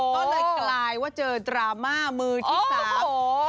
ก็เลยกลายว่าเจอดราม่ามือที่สาม